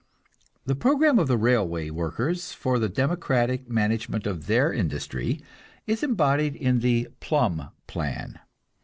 The program of the railway workers for the democratic management of their industry is embodied in the Plumb plan.